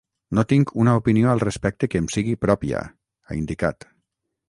“No tinc una opinió al respecte que em sigui pròpia”, ha indicat.